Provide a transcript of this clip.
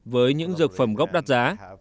với những dược phẩm gốc đắt giá